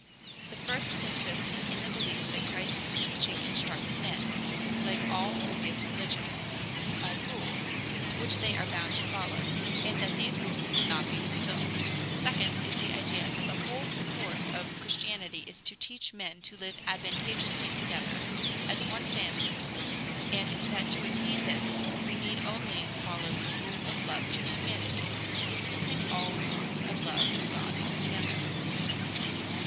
The first consists in the belief that Christ's teaching instructs men, like all previous religions, by rules, which they are bound to follow, and that these rules cannot be fulfilled. The second is the idea that the whole purport of Christianity is to teach men to live advantageously together, as one family, and that to attain this we need only follow the rule of love to humanity, dismissing all thought of love of God altogether.